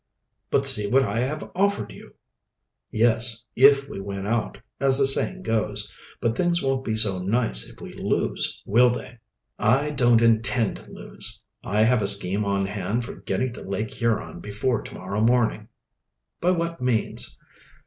"But see what I have offered you." "Yes, if we win out, as the saying goes. But things won't be so nice if we lose, will they?" "I don't intend to lose. I have a scheme on hand for getting to Lake Huron before to morrow morning." "By what means?"